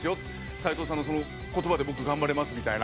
「斉藤さんのその言葉で僕頑張れます」みたいな。